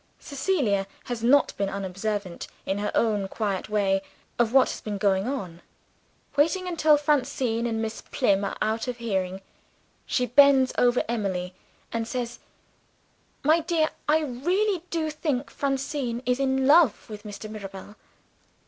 Cecilia has not been unobservant, in her own quiet way, of what has been going on. Waiting until Francine and Miss Plym are out of hearing, she bends over Emily, and says, "My dear, I really do think Francine is in love with Mr. Mirabel."